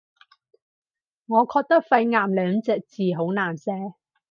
我覺得肺癌兩隻字好難寫